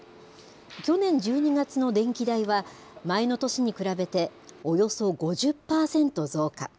去年１２月の電気代は、前の年に比べておよそ５０％増加。